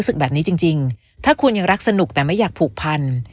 ศึกแบบนี้จริงถ้าคุณยังรักสนุกแต่ไม่อยากผูกพัน